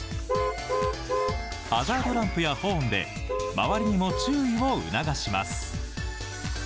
ハザードランプやホーンで周りにも注意を促します。